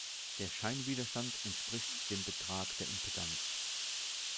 Der Scheinwiderstand entspricht dem Betrag der Impedanz.